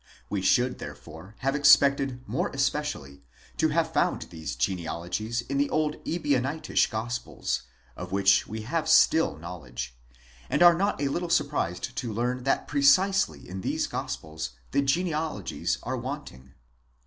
We should therefore have ex pected, more especially, to have found these genealogies in the old Ebionitish Gospels, of which we have still knowledge, and are not a little surprised to learn that precisely in these Gospels the genealogies were wanting.